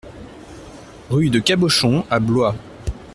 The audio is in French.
Rue de Cabochon à Blois